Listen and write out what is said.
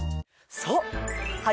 そう！